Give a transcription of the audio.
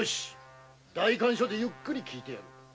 代官所でゆっくり聞いてやる。